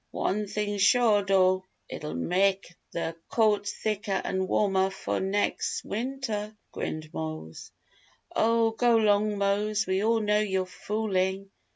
One thing sure, dough, it'll mek' th' coat thicker an' warmer fo' nex' winter!" grinned Mose. "Oh, go 'long, Mose, we all know you're foolin'!"